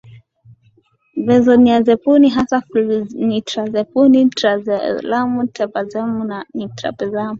Benzodiazepini hasa flunitrazepamu triazolami temazepamu na nimetazepamu